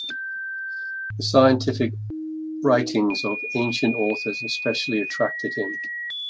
The scientific writings of ancient authors especially attracted him.